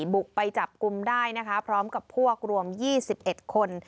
บุกไปจับกลุ่มได้นะคะพร้อมกับพวกรวม๒๑คน